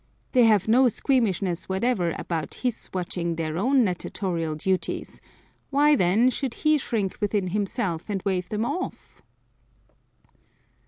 They have no squeamishness whatever about his watching their own natatorial duties; why, then, should he shrink within himself and wave them off?